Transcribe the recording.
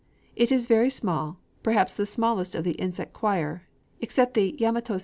It is very small, perhaps the smallest of the insect choir, except the Yamato suzu.